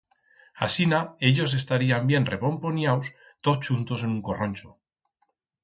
Asina ellos estarían bien reponponiaus, toz chuntos en un corroncho.